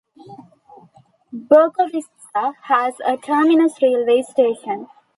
Berkovitsa has a terminus railway station.